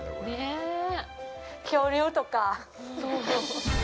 恐竜とか。